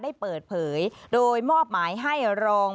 ได้เปิดเผยโดยมอบหมายให้รอง